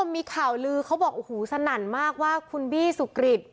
มีข่าวลือเขาบอกโอ้โหสนั่นมากว่าคุณบี้สุกริต